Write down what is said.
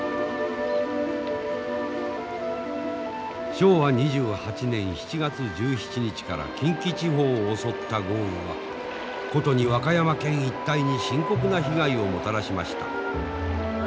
昭和２８年７月１７日から近畿地方を襲った豪雨は殊に和歌山県一帯に深刻な被害をもたらしました。